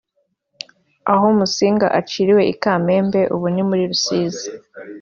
Aho Musinga aciriwe i Kamembe (ubu ni muri Rusizi)